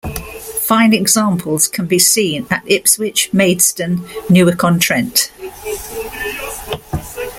Fine examples can be seen at Ipswich, Maidstone, Newark-on-Trent.